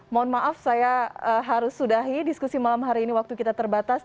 mohon maaf saya harus sudahi diskusi malam hari ini waktu kita terbatas